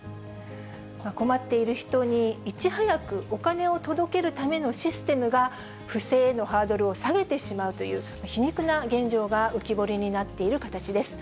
困っている人にいち早くお金を届けるためのシステムが、不正へのハードルを下げてしまうという、皮肉な現状が浮き彫りになっている形です。